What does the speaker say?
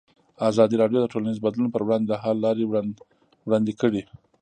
ازادي راډیو د ټولنیز بدلون پر وړاندې د حل لارې وړاندې کړي.